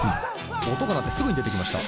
音が鳴ってすぐに出てきました。